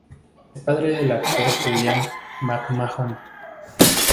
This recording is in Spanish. Es padre del actor Julian McMahon.